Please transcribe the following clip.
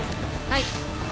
はい。